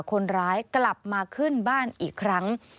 คนร้ายกลับมาขึ้นบ้านอีกครั้ง